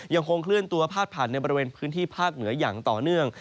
ยังคงเคลื่อนตัวพาดผ่านในบริเวณพื้นที่ภาคเหนืออย่างต่อเนื่อง